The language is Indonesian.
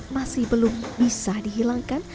masih belum bisa dihilangkan